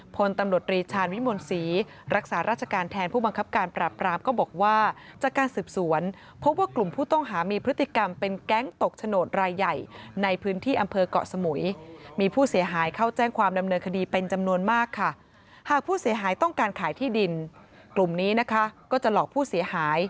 ผลตำรวจรีชานวิมวลศรี